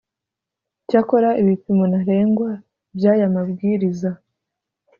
Icyakora ibipimo ntarengwa by aya mabwiriza